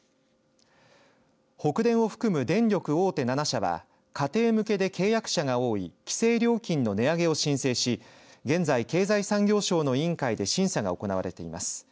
北電を含む電力大手７社は家庭向けで契約者が多い規制料金の値上げを申請し現在、経済産業省の委員会で審査が行われています。